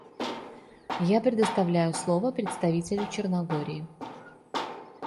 Я предоставляю слово представителю Черногории.